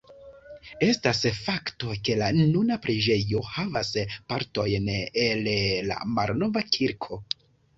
Estas fakto, ke la nuna preĝejo havas partojn el la malnova kirko.